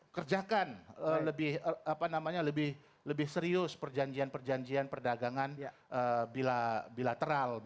kerjakan lebih serius perjanjian perjanjian perdagangan bilateral